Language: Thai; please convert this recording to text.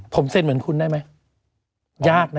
ผมเซ็นเหมือนคุณได้ไหมยากนะ